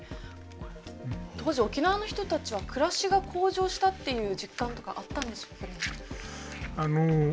当時沖縄の人たちは暮らしが向上したっていう実感とかあったんでしょうかね？